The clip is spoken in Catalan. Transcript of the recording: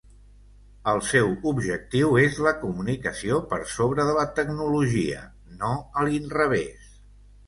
El seu objectiu és la comunicació per sobre de la tecnologia, no a l'inrevés.